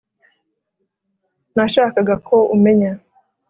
nashakaga ko umenya ....